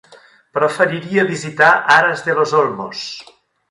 Preferiria visitar Aras de los Olmos.